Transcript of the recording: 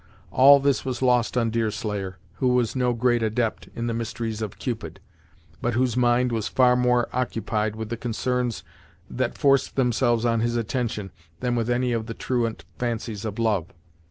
All this was lost on Deerslayer, who was no great adept in the mysteries of Cupid, but whose mind was far more occupied with the concerns that forced themselves on his attention, than with any of the truant fancies of love.